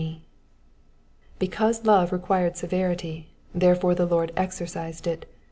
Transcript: «." Because love required severity, therefore the Lord exercised it.